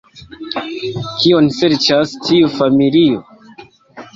Kion serĉas tiu familio?